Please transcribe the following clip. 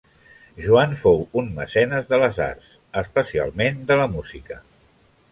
Joan fou un mecenes de les arts, especialment de la música.